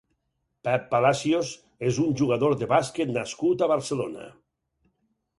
Pep Palacios és un jugador de bàsquet nascut a Barcelona.